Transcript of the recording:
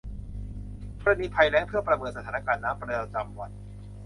กรณีภัยแล้งเพื่อประเมินสถานการณ์น้ำประจำวัน